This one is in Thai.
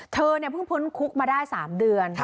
เธอเนี่ยเพิ่งพ้นคุกมาได้๓เดือน